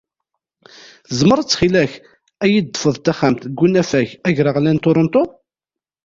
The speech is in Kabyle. Tzemreḍ ttxil-k ad yi-d-teṭṭfeḍ taxxamt deg unafag agraɣlan n Toronto?